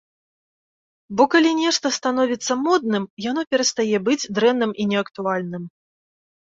Бо калі нешта становіцца модным, яно перастае быць дрэнным і неактуальным.